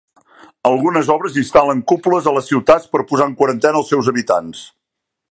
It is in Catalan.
Algunes obres instal·len "cúpules" a les ciutats per posar en quarantena els seus habitants.